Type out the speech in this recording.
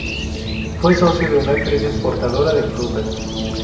Fue socio de una empresa exportadora de frutas.